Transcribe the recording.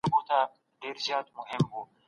قوانینو د هر چا حقونه خوندي کول.